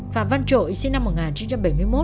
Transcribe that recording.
phạm văn trội sinh năm một nghìn chín trăm bảy mươi một